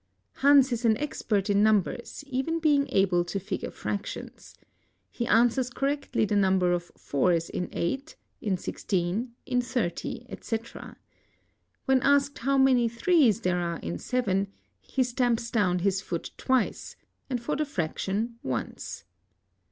Hans is an expert In numbers, even being able to figure fractions. He answers cor rectly the number :of 4',s in 8, in 16, in 30, &c. When asked how many 3's there are in 7 he stamps down, his foot twice and for the fraction once.